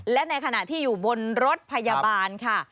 และในขณะที่อยู่บนรถพยาบาลค่ะ